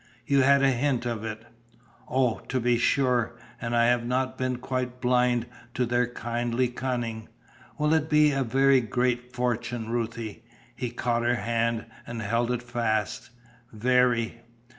You had a hint of it." "Oh, to be sure. And I have not been quite blind to their kindly cunning. Will it be a very great fortune, Ruthie?" He caught her hand, and held it fast. "Very!"